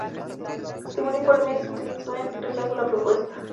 Según informes, Klinsmann rechazó la propuesta.